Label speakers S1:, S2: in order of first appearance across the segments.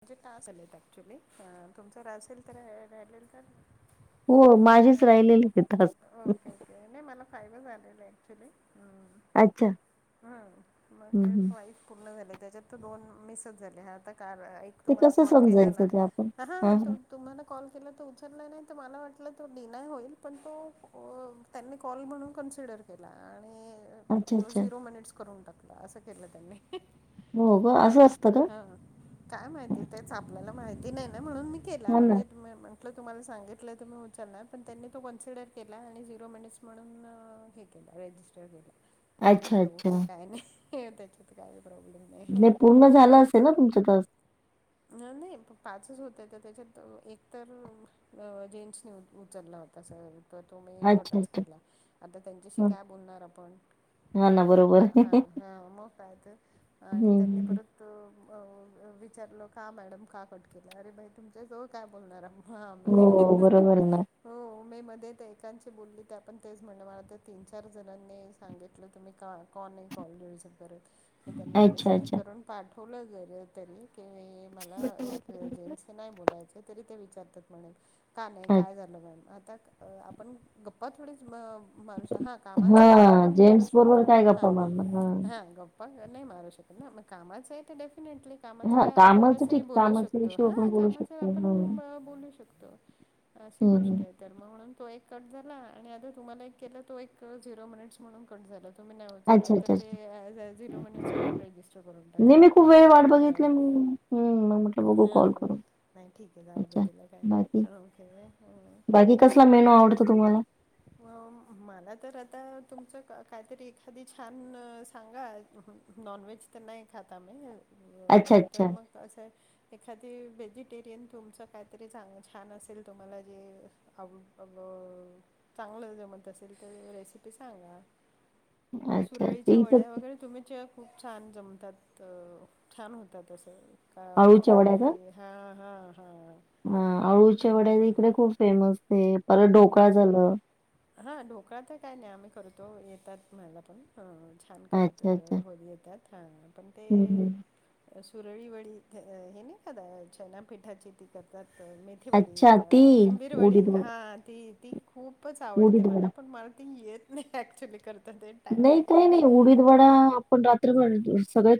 S1: म्हणजे टास्क झालेत ऍक्च्युली तुमच असेल तर राहिलेल तर
S2: हो माझेच
S1: हां
S2: राहिलेले आहे तास.
S1: ओके नाही मला फायनल झाले एक्चुली.
S2: अच्छा
S1: हम्म मग
S2: हं
S1: ते
S2: हं
S1: [unintelligible] पूर्ण झाले त्याच्यात तर दोन मिसच झाले आता काल
S2: ते
S1: तुम्हाला
S2: कसं
S1: कॉल केला
S2: समजायचं
S1: ना
S2: ते आपण? हां, हां.
S1: तुम्हाला कॉल केला तर उचलला नाही तर मला वाटलं तो डिनाय होईल पण तो त्यांनी कॉल म्हणून कन्सिडर केला आणि
S2: अच्छा,
S1: तो
S2: अच्छा.
S1: झिरो मिनिट्स करून टाकला अस केल त्यांनी.
S2: हो ग अस असत का
S1: हां. काय माहिती तेच आपल्याला माहिती नाही ना म्हणून मी केला
S2: हो ना.
S1: म्हणजे. मी म्हंटल तुम्हाला सांगितलं तुम्ही उचलणार पण त्यांनी तो कन्सीडर केला आणि झिरो मिनिटस म्हणून हे केलं. रेजिस्टर केल. ठीक
S2: अच्छा,
S1: आहे
S2: अच्छा.
S1: ओके काय नाही त्याच्यात काय प्रॉब्लेम.
S2: नाही पूर्ण झाल असेल ना तुमचे टास्क.
S1: नाही पाचच होते तर त्याच्यात एक तर जेंट्सनी उचलला होता सर तर तो मी
S2: अच्छा,
S1: कटच
S2: अच्छा.
S1: केला आता त्यांच्याशी
S2: हं.
S1: काय बोलणार आपण.
S2: हां ना बरोबर.
S1: हां
S2: हं,
S1: हां मग काय तर आणि त्यांनी
S2: हं.
S1: परत त विचारलो का मॅडम का कट केला अरे. भाई तुमच्याजवळ काय बोलणार आम्ही. आम्हा-
S2: हो हो बरोबर आहे ना.
S1: हो मी मध्ये ते एकाची बोलली ते आपण तेच म्हटलं मला तर तीन चार जणांनी सांगितलं तुम्ही का कोण नाही कॉल रिल्लच करतं मी त्यांना
S2: अच्छा,
S1: मेसेज
S2: अच्छा.
S1: करून पाठवलं जर त्यानी की मला जेन्टसशी नाही बोलायचं, तरी ते विचारतात म्हणे का नाही
S2: अच्छा.
S1: काय झालं. आता आपण गप्पा थोडीच मग माणसं हा कामाच आहे तर
S2: हां,
S1: आपण बोलू
S2: जेंट्स बरोबर
S1: शकतो
S2: काय
S1: हा
S2: गप्पा मारणार?
S1: हां ग प्पा नाही मारू शकत ना मग कामाच आहे डेफिनेटली कामाच
S2: हां,
S1: काय तर
S2: कामाचं ठीक
S1: तसंही बोलू
S2: कामाचा
S1: शकतो,
S2: इश्यू
S1: हा
S2: आपण बोलू
S1: कामाच
S2: शकतो.
S1: आपण
S2: हं,
S1: बोलू शकतो. अशी
S2: हं,
S1: गोष्ट
S2: हं.
S1: आहे. तर मग म्हणून तो एक कट झाला, आणि आता तुम्हाला एक केलं तो एक झिरो मिनिट्स म्हणून कट झाला. तुम्ही नाही
S2: अच्छा,
S1: उचललं तर
S2: अच्छा,
S1: ते
S2: अच्छा.
S1: ॲज अ झिरो मिनिट्स म्हणून रेजिस्टर करून टाकले ठीकय जाऊद्या.
S2: हम्म मग म्हटल बघू कॉल करून.
S1: नाही ठीक आहे जाऊ
S2: अच्छा
S1: दे त्याला काय
S2: बाकी
S1: नाही
S2: बाकी कसला मेनू
S1: [unintelligible]
S2: आवडतो तुम्हाला?
S1: अ मला तर आता तुमच काहीतरी एखादी छान सांगा. नॉनव्हेज तर नाही खात आम्ही
S2: अच्छा,
S1: अं
S2: अच्छा.
S1: तर मग असय एखादी व्हेजिटेरियन तुमचं काहीतरी चांग छान असेल तुम्हाला जे [unintelligible] अ चांगल जमत असेल तर रेसिपी सांगा.
S2: अच्छा, अच्छा.
S1: सुरळीच्या
S2: इथं
S1: वड्या वगैरे तुम्ही च खूप छान जमतात अ छान होतात अस का मेथी
S2: अळूच्या
S1: वडी. हां हां हां
S2: हा अळूच्या वड्या इकडे खूप फेमस आहे परत ढोकळा झाल.
S1: हा ढोकळा तर काय नाही आम्ही करतो येतात मला पण. हां छान करता
S2: अच्छा, अच्छा.
S1: हो येतात पण
S2: हं,
S1: ते
S2: हं.
S1: सुरळी वडी. हे नाही का चनापिठाची ती करतात. मे- थी वडी.
S2: अच्छा ती
S1: कोथिंबीर वडी?
S2: उडीद वडा
S1: हा. ती. ती खूपच आवडते
S2: उडीद वडा.
S1: मला. पण मला ती येत नाही ॲक्च्युली करता पण.
S2: नाही ते नाही. उडीद वडा आपण रात्रभर सगळं-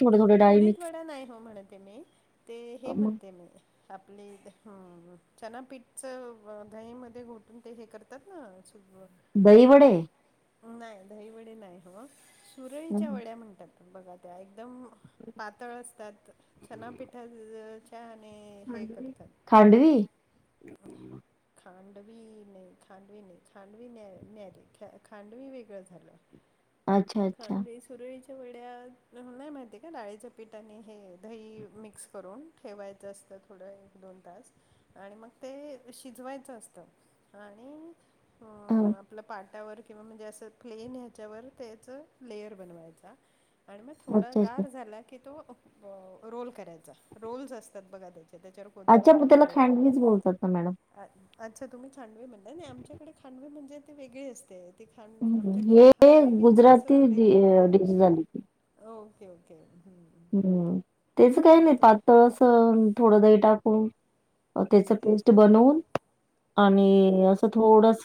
S1: उडीद वडा नाही हो म्हणतए मी. ते हे
S2: मग
S1: म्हणते मी. आपली हं. चना पीठचं दहीमध्ये घोटून ते हे करतात ना? सु-
S2: दहीवडे?
S1: अं. नाही दहीवडे नाही हो.
S2: हं,
S1: सुरळीच्या
S2: हं.
S1: वड्या म्हणतात. बघा त्या एकदम पातळ असतात. चनापिठाचे- आणि हे
S2: खांडवी?
S1: करतात.
S2: खांडवी?
S1: खांडवी नाही. खांडवी नाही. खांडवी न न्याली खांडवी वेगळं झालं.
S2: ह
S1: खांडवी. सुरळीच्या वड्या मला नाही माहिती. ते डाळीचं पीठ आणि हे दही मिक्स करून ठेवायचं असतं थोडं एक दोन तास. आणि मग ते शिजवायचं असतं. आणि-
S2: हां.
S1: आपलं पाटावर किंवा म्हणजे असं प्लेन ह्याच्यावर त्याचं लेयर बनवायचा. आणि मग थोडा-
S2: अच्छा, अच्छा.
S1: गार झाला की तो रोल करायचा. रोल्ज असतात बघा त्याचे.
S2: अच्छा मग त्याला खांडवीच बोलतात ना मॅडम.
S1: अ अच्छा. तुम्ही खांडवी म्हणता. नाही आमच्याकडे खांडवी म्हणजे ती वेगळी असते. ते खांड
S2: हम्म,
S1: आमच्याकडं
S2: हे
S1: खांडवी मीन्स
S2: गुजराती
S1: असं
S2: डि
S1: वेगळं. हां.
S2: डिश झाली ती.
S1: Okay okay. ओके. हं. हं.
S2: हम्म. त्याच काही नाही पातळ असं थोडं दही टाकून- म त्याच पेस्ट बनवून आणि म - थोडस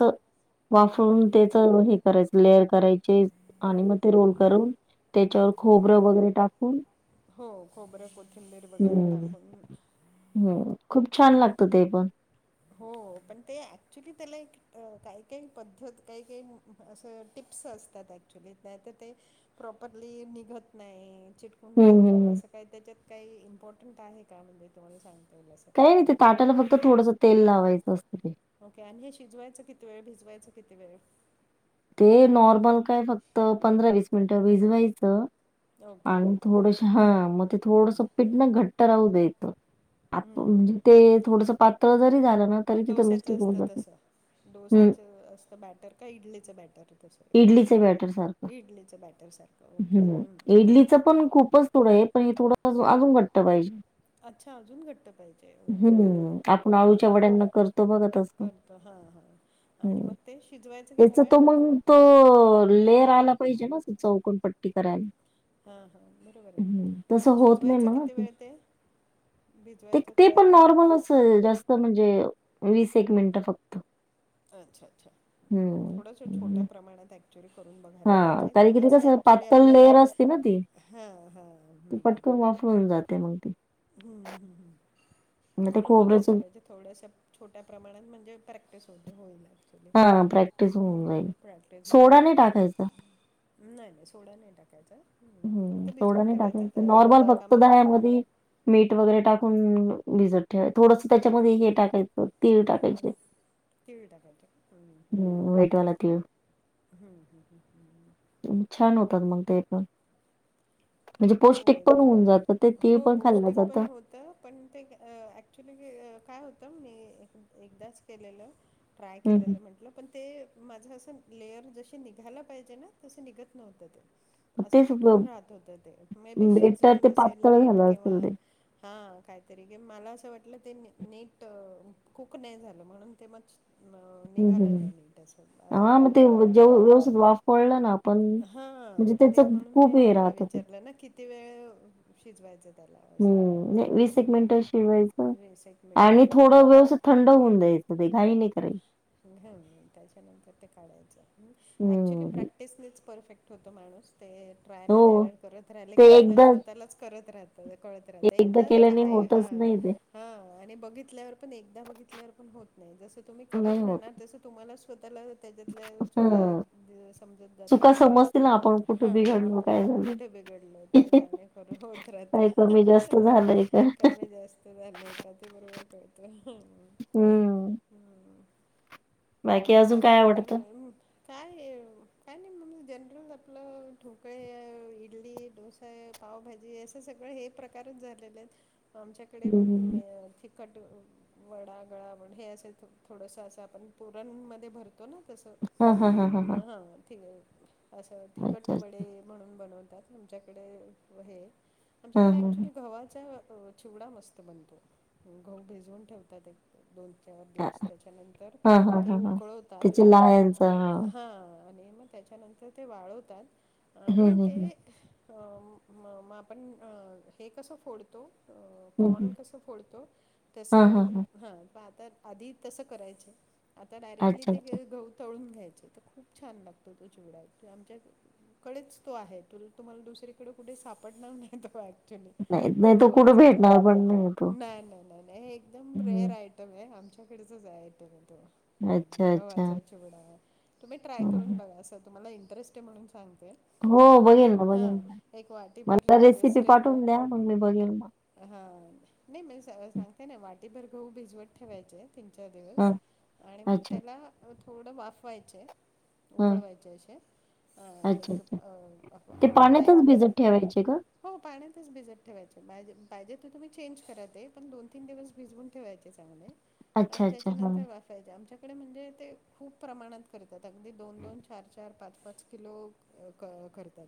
S2: वाफवून त्याच हे करायचं. लेअर करायची. आणि मग ते रोल करून. त्याच्यावर खोबरं वगैरे टाकून-
S1: हो. खोबरं, कोथिंबीर वगैरे टाकून-
S2: ह्. खूप छान लागत ते पण.
S1: हो. पण ते ऍक्च्युली त्याला एक- अ- काही काही पद्धत, काही काही असं टिप्स असतात ऍक्च्युली. नाही त ते- प्रॉपरली निघत नाही. चिट - -कून
S2: हम्म, हम्म,
S1: राहतं.
S2: हम्म.
S1: असं काही त्याच्यात काही इम्पॉर्टंट आहे का? म्हणजे तुम्हाला सांगता येईल असं.
S2: काही नाही ते ताटाला फक्त थोडस तेल लावायचं असतं ते.
S1: ओके. आणि हे शिजवायचं किती वेळ? भिजवायचं किती वेळ?
S2: ते नॉर्मल काय फक्त पंधरा वीस मिनिटं भिजवायचं.
S1: ओके
S2: आणि थोडस हा. म ते थोडस पीठ ना घट्ट राहू द्यायच. आ
S1: हम्म हम्म
S2: पण ते थोडस पातळ जरी झालं ना
S1: हम्म
S2: तरी
S1: मग
S2: तिथं
S1: डोस्याचं
S2: मिस्टेक होऊन
S1: असतं
S2: जाती.
S1: तसं डोस्याचं असतं बॅटर. का इडलीचं बॅटर? तसं
S2: इडलीच बॅटर सारखं.
S1: इडलीचं बॅटर सारखं ओके हम्म.
S2: इडलीचं पण खूपच- थोडं ए. पण हे थोडं अजून घट्ट पाहिजे.
S1: अच्छा. अजून घट्ट पाहिजे? ओके. ओके.
S2: हं, आपण अळूच्या
S1: हां.
S2: वड्यांना करतो बघा तसं.
S1: करत. हा. हा. आणि मग ते शिजवायच की -
S2: त्याच तो मग त लेयर आला पाहिजे ना? चौकोन पट्टी करायला.
S1: हा. हा. बरोबर ए ना.
S2: हं,
S1: पण
S2: तसं होत नाही
S1: शिजवायचं किती वेळ ते? भिजवायचं
S2: टिकते.
S1: तुम्ही
S2: पण नॉर्मल अस हे जास्त- ते म्हणजे वीस एक मिनिटं फक्त.
S1: अच्छा. अच्छा. थोड्याशा
S2: हं.
S1: छोट्या प्रमाणात आधी - थोडं करून बघायला
S2: हां,
S1: पाहिजे. की
S2: कारण
S1: मग
S2: ते कसं
S1: ॲक्च्युली
S2: पातळ
S1: आपल्याला
S2: लेयर असते ना ती.
S1: हां. हां. ह.
S2: होऊन जाते मग ती.
S1: हं. हं. हं.
S2: मग ते
S1: करून बघायच
S2: खोबऱ्याचं
S1: पाहिजे. थोड्याशा छोट्या प्रमाणात म्हणजे प्रॅक्टिस होते. होईल. ॲक्च्युली
S2: हा. प्रॅक्टिस होऊन
S1: हम्म
S2: जाईल.
S1: प्रॅक्टिस
S2: सोडा
S1: होईल
S2: नाही टाकायचा?
S1: नाही. नाही. सोडा नाही टाकायचा.
S2: हं,
S1: फक्त
S2: सोडा
S1: भिजवून
S2: नाही
S1: ठेवायचं
S2: टाकायचा.
S1: ए
S2: नॉर्मल फक्त
S1: ताकामध्ये. हं.
S2: दह्यामध्ये मीठ वगैरे टाकून भिजत ठेवा. थोडस त्याच्यामध्ये हे टाकायचं. तीळ
S1: हम्म.
S2: टाकायचे.
S1: तीळ टाकायचे हम्म, हम्म, हम्म.
S2: हम्. व्हाईटवाला तीळ.
S1: हम्म, हम्म, हम्म,
S2: अं. छान होतात
S1: हम्म.
S2: मग ते पण. म्हणजे
S1: हो.
S2: पौष्टिक पण होऊन
S1: अक्चुली.
S2: जातं. ते तीळ
S1: हो
S2: पण खाल्लं
S1: पौष्टिक पण
S2: जातं.
S1: होतं- पण ते अ ऍक्च्युली काय होतं? मी अ एकदाच केलेलं- ट्राय
S2: हं, हं.
S1: केलेलं म्हटलं. पण ते- माझं असं लेयर जशी निघायला पाहिजे ना? तस निघत नव्हतं ते.
S2: मग
S1: असं
S2: तेच ब
S1: चिटकून राहत होत ते. मे बी
S2: बेटर
S1: शिजलं
S2: ते
S1: नसेल
S2: पातळ
S1: नीट
S2: झालं असेल ते.
S1: किंवा- हा. काहीतरी. मला असं वाटलं की ते नीट कूक नाही झालं. म्हणून ते मग - म
S2: हं,
S1: निघालं
S2: हं.
S1: नाही नीट.
S2: हां, मग
S1: असं
S2: ते
S1: मला
S2: जेव
S1: वाटतं.
S2: व्यवस्थित वाफवलं ना आपण
S1: हं.
S2: म्हणजे
S1: त
S2: त्याच
S1: तेच म्हणून मी
S2: खूप हे
S1: तुम्हाला
S2: राहत ते
S1: विचारलं ना किती वेळ अ शिजवायचं? त्याला असं
S2: हं. नाहीं वीस
S1: वाफवायचं
S2: एक मिनिट शिजवायचं.
S1: वीस एक
S2: आणि
S1: मिनटं
S2: थोडा
S1: हां
S2: वेळ असं थंड होऊन द्यायचं. ते घाई नाही करायची.
S1: घेउन त्याच्यानंतर ते काढायचं. ऍक्च्युली
S2: हम्म
S1: प्रॅक- -क्टिसनेच परफेक्ट होतो माणूस. ते ट्रायल
S2: हो
S1: अँड एरर करत राहिल
S2: ते
S1: की आपल्याला
S2: एकदा
S1: स्वतः- -लाच करत राहत. कळत राहत. एकदा अस
S2: केल्याने
S1: आय हा.
S2: होतच नाही ते
S1: हा. आणि बघितल्यावर, पण एकदा बघितल्यावर पण होत नाही. जसं तुम्ही
S2: नाही
S1: करत
S2: होत
S1: राहणार तस- तुम्हाला स्वतःला त्याच्यातल्या चुका
S2: ह
S1: समजत
S2: चुका
S1: जातात.
S2: समजतील ना
S1: हा.
S2: आपण कुठे
S1: हा.
S2: बिघडलो
S1: आप
S2: काय झालं
S1: कुठे बेगड- होतंय चांगल. खर होत राहत.
S2: काय कमी जास्त झालंय का
S1: कमी जास्त झालंय का? ते बरोबर कळत. हं.
S2: हम्म
S1: हं.
S2: बाकी अजून
S1: बगा
S2: काय
S1: तुमच्या
S2: आवडतं
S1: मनाने- काय अ. काय नाही म्हणल जनरल आपलं ढोकळे, इडली- डोसा ए. पावभाजी ए. असे सगळे हे प्रकारच झालेलेत आमच्याकडे
S2: हम्म
S1: म- कट वडा, गळावण हे असे थोडंसं असं आपण पुरणमध्ये भर - तो ना तस? हा. हां. ठी‌गळ. असं तिकट
S2: अच्छा अच्छा
S1: वडे- म्हणून बनवतात आमच्याकडे हे.
S2: हा
S1: आमच्याकडे
S2: हा
S1: ऍक्च्युली गव्हाचा- चिवडा मस्त बनतो. गहू भिजवून ठेवतात एक- दोन चार
S2: हा
S1: दिवस. त्याच्यानंतर
S2: हा हा हा
S1: ते
S2: हा हा
S1: उकळवतात.
S2: त्याचे लहानचा हा
S1: हां. आणि मग त्याच्यानंतर ते वाळवतात.
S2: हम्म
S1: आणि
S2: हम्म हम्म
S1: ते- म. मग आपण हे कसं फोडतो? अं.
S2: हम्म
S1: कॉन
S2: हम्म.
S1: कसं फोडतो?
S2: हा हा हा
S1: तसं हां. प आता- आधी तसं करायच. आता डायरेक्टली
S2: अच्छा
S1: ते
S2: अच्छा
S1: गहू तळून घ्यायचे. खूप छान लागतो तो चिवडा. आमच्याकडेच तो आहे. त तुम्हाला दुसरी - -रीकडे कुठे सापडणार नाही. तर [unintelligible] च्युली
S2: नाही नाही तो कुठे
S1: गव्हाचा चिवडा.
S2: भेटणार पण तो
S1: नाही नाही नाही हे एकदम रेअर
S2: हम्म
S1: आहे - आमच्याकडेच आहे तरी तो. हं.
S2: अच्छा अच्छा
S1: गव्हाचा चिवडा. तुम्ही ट्राय करून
S2: हम्म
S1: बघा अस. तुम्हाला इंटरेस्ट- ते म्हणून सांगते
S2: हो
S1: एक
S2: बघेल ना बघेन
S1: हां
S2: ना
S1: एक
S2: मला
S1: वाटीभर
S2: ता रेसिपी पाठवून द्या मंग मी बघीनं म
S1: हा नाही मी सां सांगते ना वाटीभर गहू भिजवत ठेवायचे तीन चार दिवस
S2: हां
S1: आणि मग
S2: अच्छा
S1: त्याला अ थोडं वाफवायचे
S2: हां
S1: उकळवायचे असे अ
S2: अच्छा
S1: एक
S2: अच्छा
S1: अ आप
S2: ते
S1: अर्धा एक
S2: पाण्यातच भिजत
S1: तास
S2: ठेवायचे का?
S1: हो पाण्यातच भिजत ठेवायचे, पाजे पाहिजे त तुम्ही चेंज करा ते पण दोन तीन दिवस भिजवून ठेवायचे चांगले
S2: अच्छा
S1: आणि
S2: अच्छा हां
S1: त्याच्यानंतर वाफायचे आमच्याकडे म्हणजे ते खूप प्रमाणात करतात. अगदी दोन दोन चार चार पाच पाच किलो अ क करतात.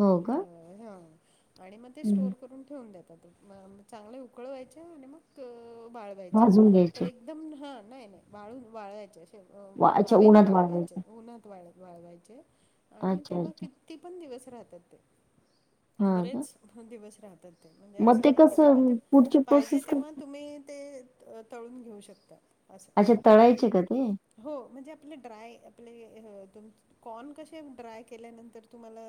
S2: हो का?
S1: बरोबर हा आणि म ते
S2: हं
S1: स्टोर करून ठेऊन देता ते म चागंले उकळवायचे आणि मग अ वाळवायचे
S2: भाजून
S1: तर
S2: घ्यायचे
S1: एक एकदम हा नाय नाय वाळूनं वाळवायचे असे
S2: वा अच्छा
S1: हवे नी
S2: उन्हात
S1: वाळवायचे उन्हात वाळ वाळवायचे आणि ते
S2: अच्छा
S1: म
S2: अच्छा
S1: किती पण दिवस राहतात ते
S2: हां का?
S1: बरेच दिवस राहतात. म्हणजे
S2: मग
S1: असं नाही की ते म्हणजे
S2: कसं पुढची
S1: पाहिजे
S2: प्रोसेस काय?
S1: तेव्हा तुम्ही ते अ तळून घेऊ शकता अस
S2: अच्छा तळायचे का ते
S1: हो म्हणजे आपले ड्राय आपले हं तुमचं कॉर्न कसे ड्राय केल्यानंतर तुम्हाला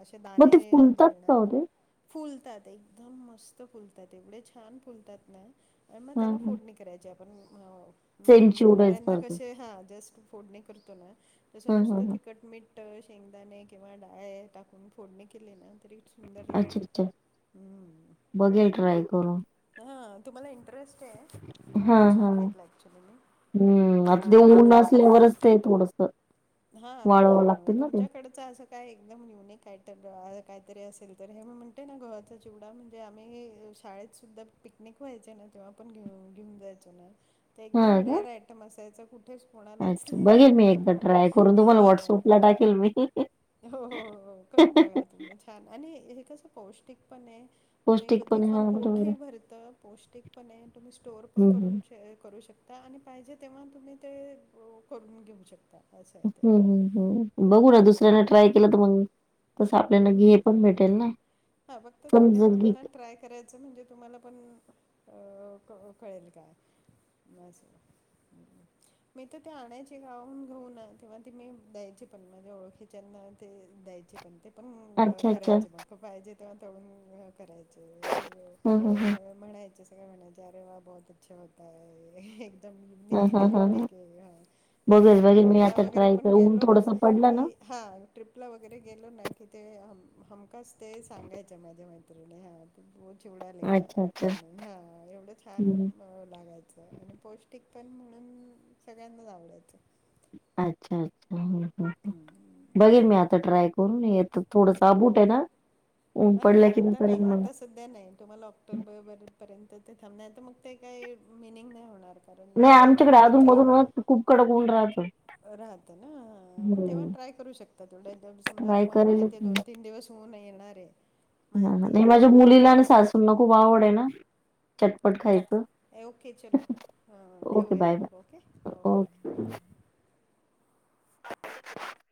S1: असे
S2: मग
S1: दाणे
S2: ते फुलतात का
S1: मिळणार
S2: ओ ते?
S1: फुलतात एकदम मस्त फुलतात एवढे छान फुलतात ना अनं म
S2: हां
S1: त्याला
S2: हां
S1: फोडणी करायची आपण म मु
S2: सेम
S1: मुरमुऱ्यांना
S2: चिवड्यासारखं
S1: कसे हा जस्ट फोडणी करतो ना तसे
S2: हां हां
S1: नुसतं
S2: हां
S1: तिखट मीठ शेंगदाणे किंवा डाळे टाकून फोडणे केले ना तरी सुदंर
S2: अच्छा
S1: लागतात.
S2: अच्छा
S1: हूं
S2: बघेल ट्राय करून.
S1: हूं ह तुम्हाला इंटरेस्ट ये
S2: हा
S1: म्हणून
S2: हा.
S1: सांगितल ऍक्च्युली मी
S2: हम्म आता ते ऊन ते वर असतंय थोडसं
S1: हा हं तुमच्याकडे अस काय एकदम युनिक आयटम अस कायतरी असेल तर हे मी म्हणते ना गव्हाचं चिवडा म्हणजे आम्ही शाळेत सुद्धा पिकनिक व्हायचे ना तेव्हा पण घेऊ घेऊन जायचो ना ते
S2: हा
S1: एकदम
S2: का?
S1: रेअर आयटम असायचं कुठेच कोणालाच
S2: अच्छा बघेल मी एकदा
S1: कोण
S2: ट्राय करून
S1: हं
S2: तुम्हाला
S1: हो
S2: व्हॉट्सअपला टाकेल मी.
S1: हो हो करून बघा तुम्ही छान आणि हे कसं पौष्टिक पण ये तुम्ही
S2: पौष्टिक
S1: कधीही
S2: पण
S1: खावून
S2: हा
S1: पोठ
S2: बरोबर आहे.
S1: ही भरतं पौष्टिक पण ये तुम्ही स्टोर पण
S2: हम्म
S1: करून ते करू शकता आणि पाहिजे तेव्हा तुम्ही ते करून घेऊ शकता. असं
S2: [unintelligible]
S1: आहे ते.
S2: हम्मं बघू ना
S1: हम्म
S2: दुसऱ्याने ट्राय केलं त मंग तस आपल्याना गे हे
S1: हम्म
S2: पण भेटेल ना
S1: हा फक्त छोट्या
S2: समजल घे
S1: प्रमाणात ट्राय कराय चं म्हणजे तुम्हाला पण अ कळ कळेल काय मग अस
S2: [inaudible]
S1: मी त ते आणायचे गावाहून गहू ना किंवा ते मी द्यायचे पण माझ्या ओळखीच्याना ते द्याय पण ते पण
S2: अच्छा अच्छा
S1: करायचे, म पाहिजे तेव्हा तळून कराय अरे म
S2: ह ह ह.
S1: सगळे म्हणायचे सगळे म्हणायचे अरे वा बहुत अच्छा होता है
S2: ह
S1: [unintelligible]
S2: ह ह ह
S1: युनिक ये हा आणि
S2: बघेल
S1: कुठे
S2: बघेल मी
S1: ट्रिपला
S2: आता
S1: वगैरे
S2: ट्राय
S1: पण
S2: कर ऊन
S1: गेलो ना
S2: थोडस पडलं
S1: की
S2: ना.
S1: हा ट्रिपला वगैरे गेलो ना की ते हम हमखास तेच सांगायच्या माझ्या मैत्रणी हा त बो चिवडा ले घ्या
S2: अच्छा अच्छा
S1: म्हणून हा एवढं छान
S2: हम्म
S1: लागायचं आणि पौष्टिकपण म्हणून सगळ्यांनाच आवडायचं.
S2: अच्छा! अच्छा!
S1: हम्म.
S2: बघेल मी आता ट्राय करून येत तर थोडंच आबूट
S1: ओके
S2: आहे ना? उन
S1: अ नाही
S2: पडलं की म
S1: आता नाही
S2: करेन मग.
S1: आता सध्या नाही तुम्हाला ऑक्टोबर बरोबर पर्यंत ते थांबणार, तर मग ते काही मिनिंग नाही होणार. कारण
S2: नाही
S1: ते
S2: आमच्याकडे
S1: ड्राय
S2: अधून मधून वा खूप कडक ऊन राहतं.
S1: राहत ना मग तेव्हा
S2: हम्म
S1: ट्राय करू शकता. तेवढ्या समजा
S2: ट्राय
S1: तुम्हाला
S2: करेलच
S1: माहिती दोन तीन दिवस सोन येणारे.
S2: ह ह नाही माझ्या मुलीला आणि सासूूना खूप आवड आहे ना? चटपट खायचं.
S1: ए ओके चलो हां
S2: ओके बाय -
S1: ठेवूयात मग ओके
S2: बाय
S1: बाय
S2: ओके. [unintelligible]